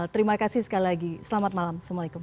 terima kasih sekali lagi selamat malam assalamualaikum